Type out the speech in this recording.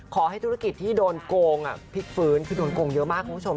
ขอให้ธุรกิจที่โดนโกงพลิกฟื้นคือโดนโกงเยอะมากคุณผู้ชม